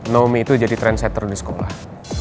nomi itu jadi trendsetter di sekolah